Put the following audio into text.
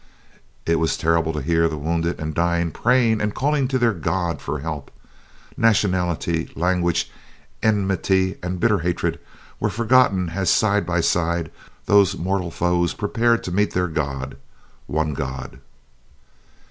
It was terrible to hear the wounded and dying praying and calling to their God for help. Nationality, language, enmity, and bitter hatred were forgotten as side by side those mortal foes prepared to meet their God _one God!